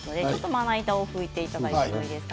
まな板を拭いていただいてもいいですか。